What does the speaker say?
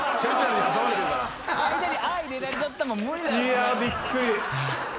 いや。びっくり。